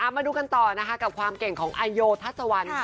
มาดูกันต่อกับความเก่งของอาโยทัศน์สะวน